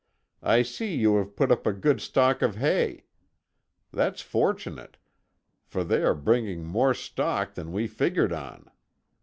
I see you have put up a good stock of hay. That's fortunate, for they are bringing more stock than we figured on.